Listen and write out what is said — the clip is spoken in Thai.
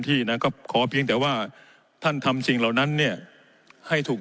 ที่นะก็ขอเพียงแต่ว่าท่านทำสิ่งเหล่านั้นเนี่ยให้ถูก